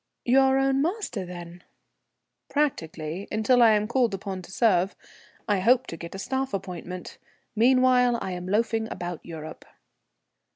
"Your own master then?" "Practically, until I am called upon to serve. I hope to get a staff appointment. Meanwhile I am loafing about Europe."